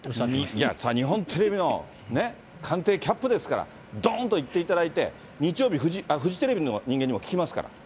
いや、日本テレビのね、官邸キャップですから、どーんと言っていただいて、日曜日、フジテレビの人間にも聞きますから。